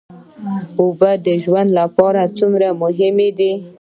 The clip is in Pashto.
اوبه د ژوند لپاره څومره مهمې دي